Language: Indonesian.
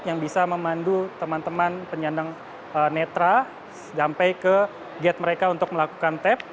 yang bisa memandu teman teman penyandang netra sampai ke gate mereka untuk melakukan tap